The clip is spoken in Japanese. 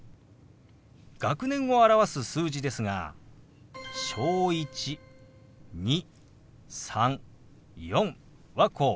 学年を表す数字ですが「小１」「２」「３」「４」はこう。